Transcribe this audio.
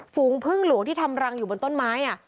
ฝูงพึ่งหลวงที่ทำรังอยู่บนต้นไม้